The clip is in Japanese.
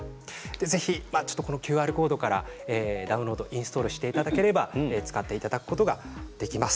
ぜひともＱＲコードからダウンロードインストールしていただければ使っていただくことができます。